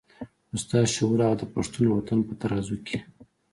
خو ستا شعور هغه د پښتون وطن په ترازو کې.